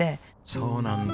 そうなんだ。